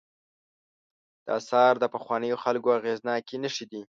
دا آثار د پخوانیو خلکو اغېزناکې نښې دي.